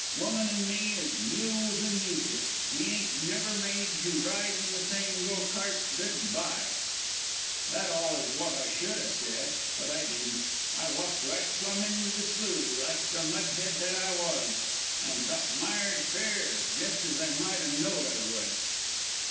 Woman and me is mules an' music. We ain't never made to ride in the same go cart Good by.' That all is wot I should ha' said. But I didn't. I walked right plum into the sloo, like the mudhead that I was, an' got mired for fair jes as I might a knowed I would.